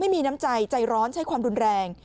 ไม่มีน้ำใจใจร้อนใช้ความรุนแรง